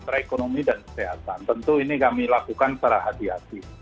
perekonomian dan kesehatan tentu ini kami lakukan secara hati hati